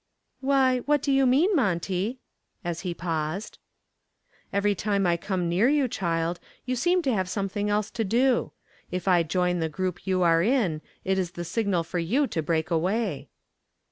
"Why, what do you mean, Monty?" as he paused. "Every time I come near you, child, you seem to have something else to do. If I join the group you are in, it is the signal for you to break away."